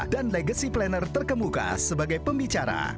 dan legacy planner terkemuka sebagai pembicara